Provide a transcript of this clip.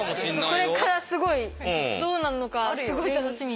これからすごいどうなるのかすごい楽しみ。